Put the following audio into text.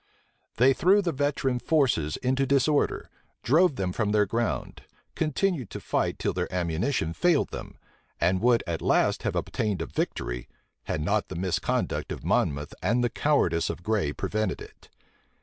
They threw the veteran forces into disorder; drove them from their ground; continued the fight till their ammunition failed them; and would at last have obtained a victory, had not the misconduct of Monmouth and the cowardice of Gray prevented it.